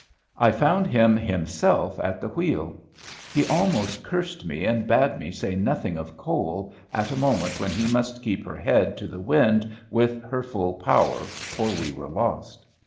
I found him himself at the wheel. He almost cursed me and bade me say nothing of coal, at a moment when he must keep her head to the wind with her full power, or we were lost.